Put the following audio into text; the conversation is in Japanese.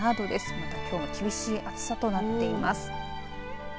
またきょうも厳しい暑さとなっています。